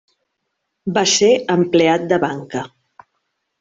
Va ser empleat de banca.